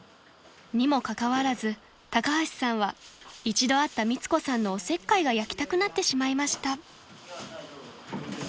［にもかかわらず高橋さんは一度会った美津子さんのおせっかいが焼きたくなってしまいました］